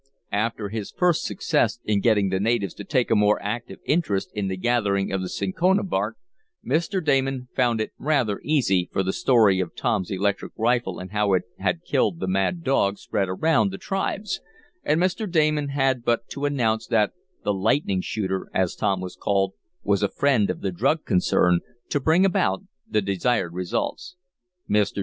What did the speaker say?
After his first success in getting the natives to take a more active interest in the gathering of the cinchona bark, Mr. Damon found it rather easy, for the story of Tom's electric rifle and how it had killed the mad dog spread among the tribes, and Mr. Damon had but to announce that the "lightning shooter," as Tom was called, was a friend of the drug concern to bring about the desired results. Mr.